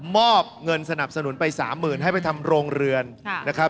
มอบเงินสนับสนุนไป๓๐๐๐ให้ไปทำโรงเรือนนะครับ